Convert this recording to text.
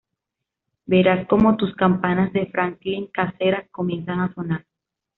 Verás como tus campanas de Franklin caseras comienzan a sonar.